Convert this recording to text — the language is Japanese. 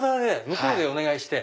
向こうでお願いして。